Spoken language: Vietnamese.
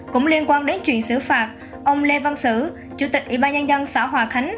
cũng liên quan đến chuyện xử phạt ông lê văn sử chủ tịch ủy ban nhân dân xã hòa khánh